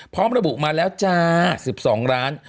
พร้อมระบุมาแล้วจ้า๑๒ล้าน